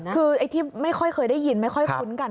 คือไอ้ที่ไม่ค่อยเคยได้ยินไม่ค่อยคุ้นกัน